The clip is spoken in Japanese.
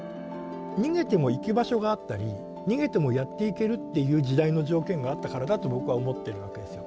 逃げても行き場所があったり逃げてもやっていけるっていう時代の条件があったからだと僕は思ってるわけですよ。